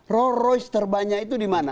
roll royce terbanyak itu di mana